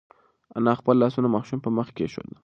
انا خپل لاسونه د ماشوم په مخ کېښودل.